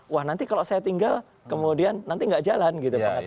wah nanti kalau saya tinggal kemudian nanti nggak jalan gitu